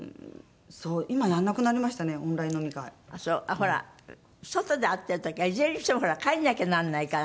ほら外で会ってる時はいずれにしてもほら帰らなきゃならないから。